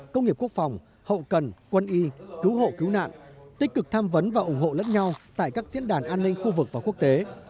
công nghiệp quốc phòng hậu cần quân y cứu hộ cứu nạn tích cực tham vấn và ủng hộ lẫn nhau tại các diễn đàn an ninh khu vực và quốc tế